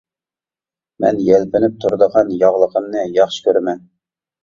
مەن يەلپۈنۈپ تۇرىدىغان ياغلىقىمنى ياخشى كۆرىمەن.